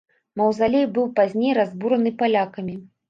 Маўзалей быў пазней разбураны палякамі.